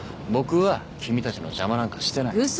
僕は君たちの邪魔なんかしてない。